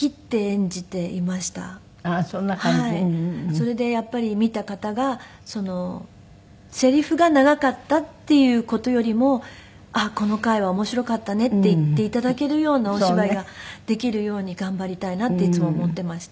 それでやっぱり見た方がセリフが長かったっていう事よりもあっこの回は面白かったねって言って頂けるようなお芝居ができるように頑張りたいなっていつも思っていました。